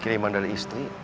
kiriman dari istri